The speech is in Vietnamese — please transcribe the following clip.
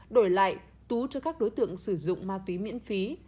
đổi lại tú cho các đối tượng sử dụng ma túy miễn phí